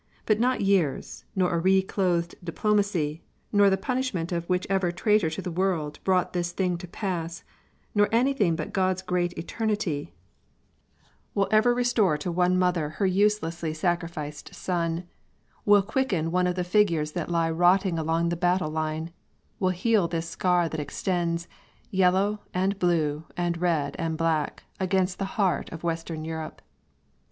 But not years, nor a reclothed diplomacy, nor the punishment of whichever traitor to the world brought this thing to pass, nor anything but God's great eternity, will ever restore to one mother her uselessly sacrificed son; will quicken one of the figures that lie rotting along the battle line; will heal this scar that extends, yellow and blue and red and black, across the heart of Western Europe.